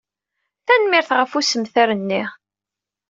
Tanemmirt ɣef ussemter-nni.